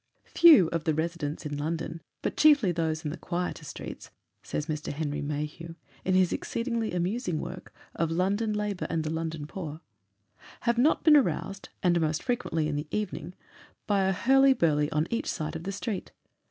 "Few of the residents in London but chiefly those in the quieter streets," says Mr. Henry Mayhew, in his exceedingly amusing work of "London Labour and the London Poor," "have not been aroused, and most frequently in the evening, by a hurly burly on each side of the street.